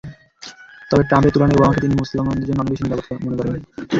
তবে ট্রাম্পের তুলনায় ওবামাকে তিনি মুসলমানদের জন্য অনেক বেশি নিরাপদ মনে করেন।